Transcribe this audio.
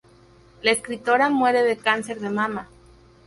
La escritora muere de cáncer de mama.